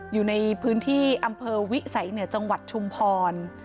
อยู่ในพื้นที่อำเภอวิสัยเหนือจังหวัดชุมพร